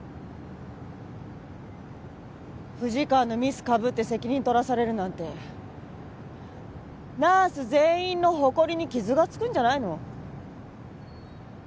富士川のミスかぶって責任取らされるなんてナース全員の誇りに傷がつくんじゃないの？